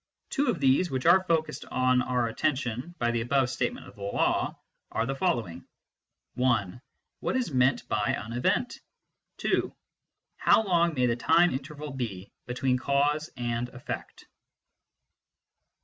Two of these, which are forced on our attention by the above statement of the law, are the foil owing : (1) What is meant by an " event "? (2) How long may the time interval be between cause and effect